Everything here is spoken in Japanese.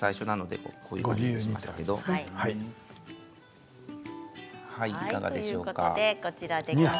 いかがでしょうか。